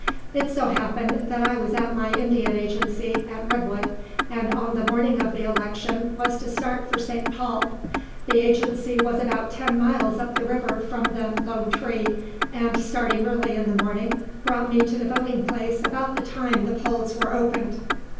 It so happened that I was at my Indian agency, at Redwood, and on the morning of the election was to start for St. Paul. The agency was about ten miles up the river from the "Lone Tree," and, starting early in the morning, brought me to the voting place about the time the polls were opened.